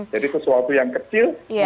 jadi sesuatu yang kecil